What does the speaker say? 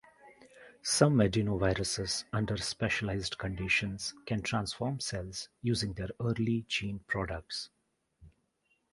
Some adenoviruses under specialized conditions can transform cells using their early gene products.